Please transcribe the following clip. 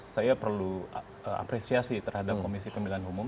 saya perlu apresiasi terhadap komisi pemilihan umum